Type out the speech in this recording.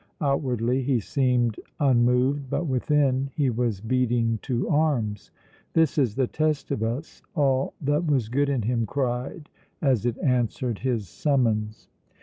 Outwardly he seemed unmoved, but within he was beating to arms. "This is the test of us!" all that was good in him cried as it answered his summons.